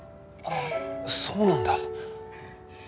ああそうなんだ。